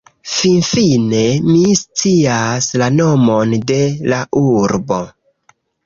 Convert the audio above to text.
Finfine, mi scias la nomon de la urbo